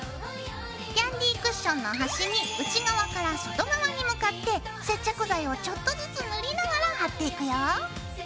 キャンディークッションの端に内側から外側に向かって接着剤をちょっとずつ塗りながら貼っていくよ。